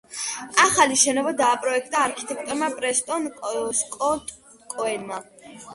ახალი შენობა დააპროექტა არქიტექტორმა პრესტონ სკოტ კოენმა.